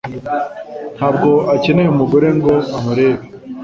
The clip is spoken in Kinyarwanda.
Ntabwo akeneye umugore ngo amurebe.